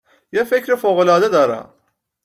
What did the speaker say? یه فکر فوق العاده دارم